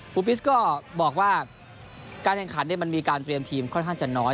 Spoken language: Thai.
ปิสก็บอกว่าการแข่งขันมันมีการเตรียมทีมค่อนข้างจะน้อย